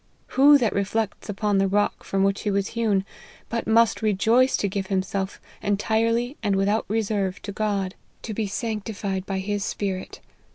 Who that reflects upon the rock from which he was hewn, but must rejoice to give him self entirely and without reserve to God, to be sanctified by his Spirit.